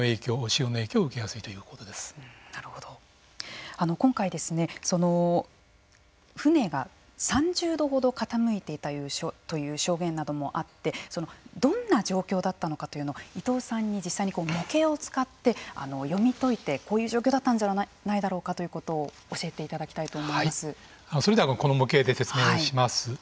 潮の影響を受けやすい今回、船が３０度ほど傾いていたという証言などもあってどんな状況だったのかというのを伊藤さんに実際に模型を使って読み解いてこういう状況だったんではないだろうかということをそれではこの模型で説明をします。